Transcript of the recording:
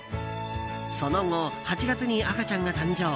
その後、８月に赤ちゃんが誕生。